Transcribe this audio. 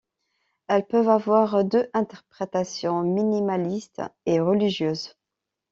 Elles peuvent avoir deux interprétations, minimaliste et religieuse.